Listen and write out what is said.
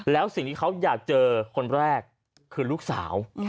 แล้วสิ่งที่เขาอยากเจอคนแรกคือลูกสาว